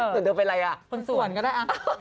ส่วนเดิมเป็นอะไรอ่ะคนส่วนก็ได้